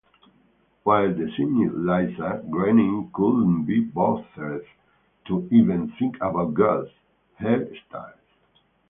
While designing Lisa, Groening "couldn't be bothered to even think about girls' hair styles".